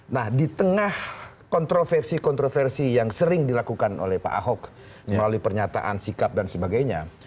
nah di tengah kontroversi kontroversi yang sering dilakukan oleh pak ahok melalui pernyataan sikap dan sebagainya